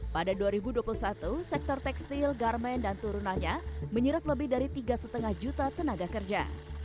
pada dua ribu dua puluh satu sektor tekstil garmen dan turunannya menyerap lebih dari tiga lima juta tenaga kerja